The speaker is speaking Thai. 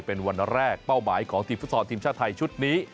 เป็นวันแรกเป้าหมายของทีมฟุตซอลทีมชาติไทยชุดนี้